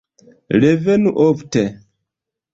Revenu ofte!